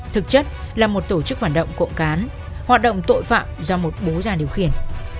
thực chất là một tổ chức phản động cộng cán hoạt động tội phạm do một bố già điều khiển